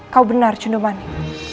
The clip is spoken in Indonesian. kau benar cundemanik